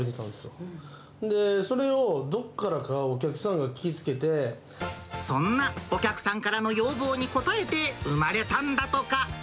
それで、それをどっからかお客さそんなお客さんからの要望に応えて、生まれたんだとか。